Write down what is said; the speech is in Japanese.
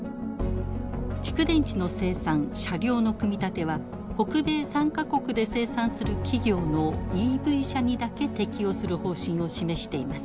蓄電池の生産車両の組み立ては北米３か国で生産する企業のＥＶ車にだけ適用する方針を示しています。